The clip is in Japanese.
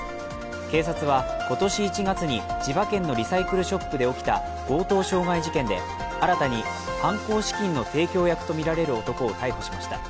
警察は今年１月に千葉県のリサイクルショップで起きた強盗傷害事件で新たに犯行資金の提供役とみられる男を逮捕しました。